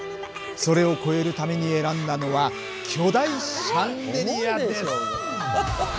それを超えるために選んだのは巨大シャンデリアです！